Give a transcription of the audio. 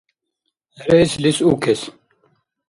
ХӀерейслис укес.